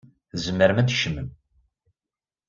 Tzemrem ad d-tkecmem.